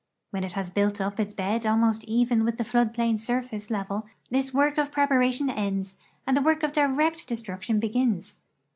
When it has built up its bed almost even with the flood plain surface level this work of prejjaration ends and the work of direct destruction begins.